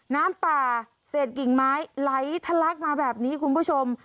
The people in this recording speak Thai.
น้ำป่าเศษกิ่งไม้ไหลทะลักมาแบบนี้คุณผู้ชม